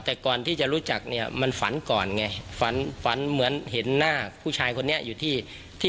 แต่ก่อนที่จะรู้จักเนี่ยมันฝันก่อนไงฝันฝันเหมือนเห็นหน้าผู้ชายคนนี้อยู่ที่ที่